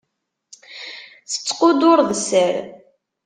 Tettqudur d sser.